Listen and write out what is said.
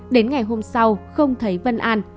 đến ngày hôm sau không thấy vân an